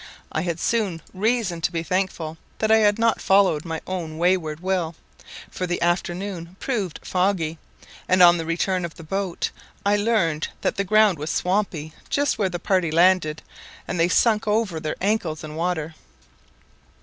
I had soon reason to be thankful that I had not followed my own wayward will, for the afternoon proved foggy, and on the return of the boat I learned that the ground was swampy just where the party landed, and they sunk over their ankles in water.